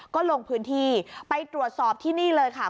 ก็ลงพื้นที่ไปตรวจสอบที่นี่เลยค่ะ